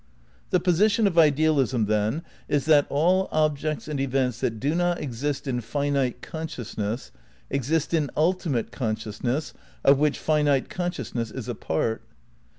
The position of idealism then is, that aU objects and events that do not exist in finite consciousness exist in ultimate consciousness of 'which finite consciousness is a part.